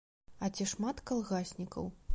А ці шмат калгаснікаў?